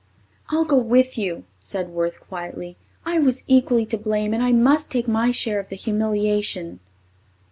"I'll go with you," said Worth quietly. "I was equally to blame and I must take my share of the humiliation."